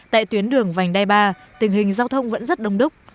tại tuyến đường vành đai ba tình hình giao thông vẫn rất đông đúc